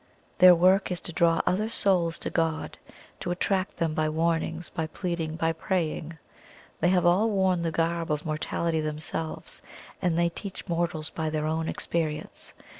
Their work is to draw other souls to God to attract them by warnings, by pleading, by praying. They have all worn the garb of mortality themselves, and they teach mortals by their own experience.